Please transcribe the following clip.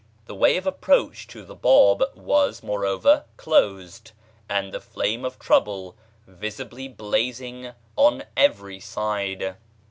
The way of approach to the Báb [was], moreover, closed, and the flame of trouble visibly blazing on every side."